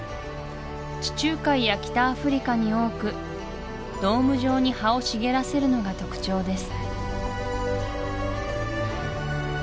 地中海や北アフリカに多くドーム状に葉を茂らせるのが特徴です